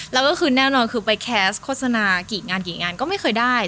แล้วก็คือแน่นอนคือไปแคสต์โฆษณากี่งานกี่งานก็ไม่เคยได้